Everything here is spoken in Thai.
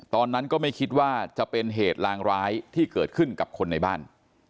ตอนนั้นก็ไม่คิดว่าจะเป็นเหตุลางร้ายที่เกิดขึ้นกับคนในบ้าน